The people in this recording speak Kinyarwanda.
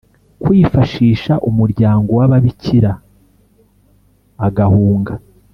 Kwifashisha umuryango w ababikira agahunga